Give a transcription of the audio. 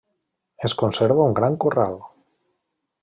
Es conserva un gran corral.